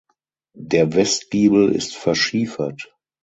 Der Westgiebel ist verschiefert.